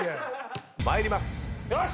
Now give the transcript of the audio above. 参ります。